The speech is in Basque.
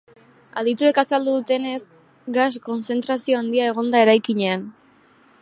Adituek azaldu dutenez, gas kontzentrazio handia egon da eraikinean.